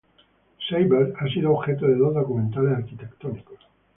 Seibert ha sido objeto de dos documentales arquitectónicos.